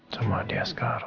sama dia sekarang